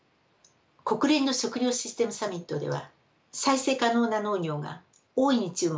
国連の食料システムサミットでは再生可能な農業が大いに注目されました。